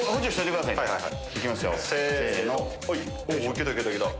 いけたいけたいけた！